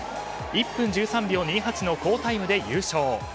１分１３秒２８の好タイムで優勝。